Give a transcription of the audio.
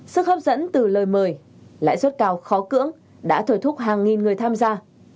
sức hấp dẫn từ lời mời lãi suất cao khó cưỡng đã thổi thúc hàng nghìn người tham gia